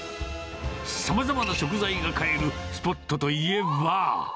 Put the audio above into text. さまざまな食材が買えるスポットといえば。